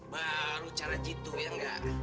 baru cara gitu ya ngga